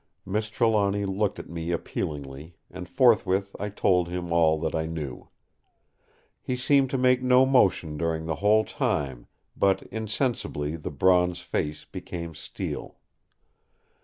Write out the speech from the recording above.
Miss Trelawny looked at me appealingly; and forthwith I told him all that I knew. He seemed to make no motion during the whole time; but insensibly the bronze face became steel.